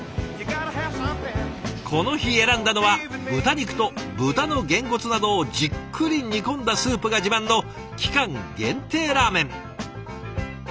この日選んだのは豚肉と豚のゲンコツなどをじっくり煮込んだスープが自慢の期間限定ラーメン。